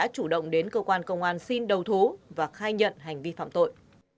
cơ quan công an xin đầu thú và khai nhận hành vi phạm tội